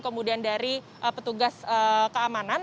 kemudian dari petugas keamanan